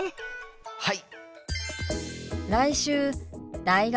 はい！